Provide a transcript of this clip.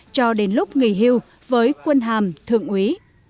cho đến lúc nghỉ hưu với quân hàm thượng úy